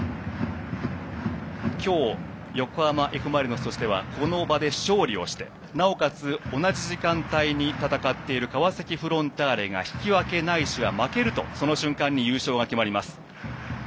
今日、横浜Ｆ・マリノスとしてはこの場で勝利をしてなおかつ同じ時間帯に戦っている川崎フロンターレが引き分け、ないし負けるとその瞬間に優勝が決まります。